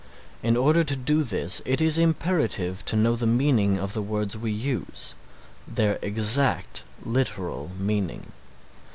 In order to do this it is imperative to know the meaning of the words we use, their exact literal meaning.